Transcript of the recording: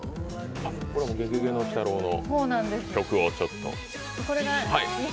これは「ゲゲゲの鬼太郎」の曲をちょっと。